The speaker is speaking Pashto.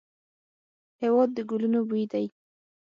هېواد د ګلونو بوی دی.